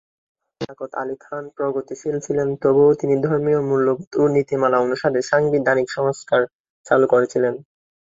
যদিও লিয়াকত আলী খান প্রগতিশীল ছিলেন তবুও তিনি ধর্মীয় মূল্যবোধ ও নীতিমালা অনুসারে সাংবিধানিক সংস্কার চালু করেছিলেন।